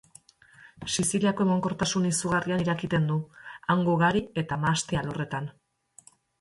Siziliako emankortasun izugarrian irakiten du, hango gari eta mahasti alorretan.